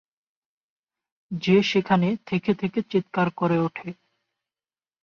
যে সেখানে থেকে থেকে চিৎকার করে উঠে।